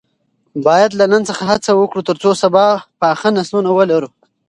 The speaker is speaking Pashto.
باید له نن څخه هڅه وکړو ترڅو سبا پاخه نسلونه ولرو.